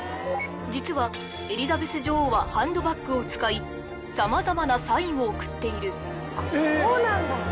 実はエリザベス女王はハンドバッグを使い様々なサインを送っているえっそうなんだ！